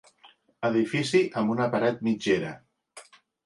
Edifici amb una paret mitgera.